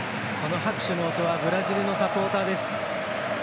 拍手の音はブラジルのサポーターです。